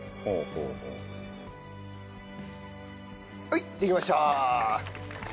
はいできました。